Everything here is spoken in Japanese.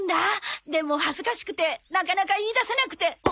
でも恥ずかしくてなかなか言い出せなくて。